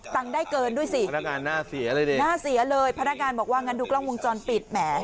ปังได้เกินดูสิหน้าเสียเลยพนักราการบอกว่างดูกล้องวงจรปิด